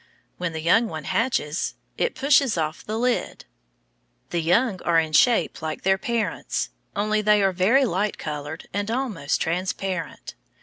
When the young one hatches it pushes off the lid. The young are in shape like their parents, only they are very light colored, and almost transparent.